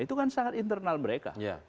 itu kan sangat internal mereka